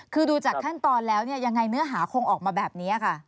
คือดูจากขั้นตอนแล้วเนี่ยยังไงเนื้อหาคงออกมาแบบนี้ค่ะ